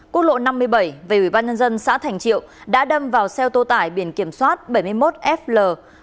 quốc lộ năm mươi bảy về ủy ban nhân dân xã thành triệu đã đâm vào xe ô tô tải biển kiểm soát bảy mươi một fl một trăm bốn mươi ba